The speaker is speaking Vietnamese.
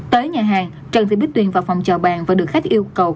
tới nhà hàng trần thị bích tuyền vào phòng chờ bàn và được khách yêu cầu